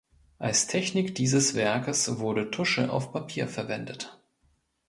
Als Technik dieses Werkes wurde Tusche auf Papier verwendet.